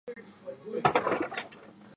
皇居